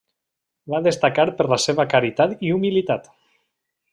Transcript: Va destacar per la seva caritat i humilitat.